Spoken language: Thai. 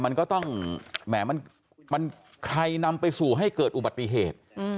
มันก็ต้องแหมมันใครนำไปสู่ให้เกิดอุบัติเหตุ